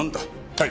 はい。